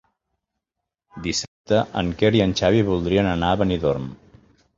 Dissabte en Quer i en Xavi voldrien anar a Benidorm.